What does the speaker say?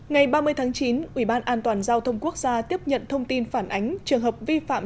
ngày ba mươi tháng chín ủy ban an toàn giao thông quốc gia tiếp nhận thông tin phản ánh trường hợp vi phạm